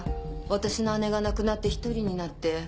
私の姉が亡くなって１人になって。